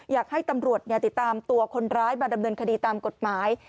อยากให้ตำรวจติดตามตัวคนร้ายมาดำเนินคดีตามกฎหมาย